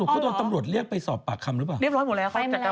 แล้วตกลงเขาชอบไปเจอไปที่ไหน